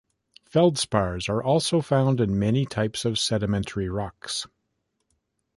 Feldspars are also found in many types of sedimentary rocks.